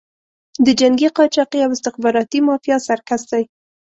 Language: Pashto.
د جنګي قاچاقي او استخباراتي مافیا سرکس دی.